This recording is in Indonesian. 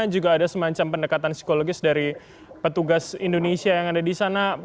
juga ada semacam pendekatan psikologis dari petugas indonesia yang ada di sana